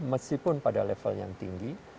meskipun pada level yang tinggi